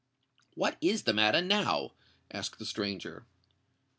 "What is the matter now?" asked the stranger.